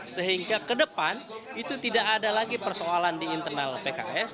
sehingga ke depan itu tidak ada lagi persoalan di internal pks